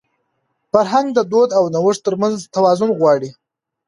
فرهنګ د دود او نوښت تر منځ توازن غواړي.